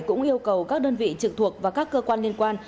cũng yêu cầu các đơn vị trực thuộc và các cơ quan liên quan